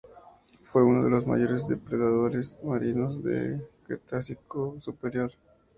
Fue uno de los mayores depredadores marinos del Cretácico Superior.